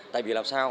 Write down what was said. tại vì làm sao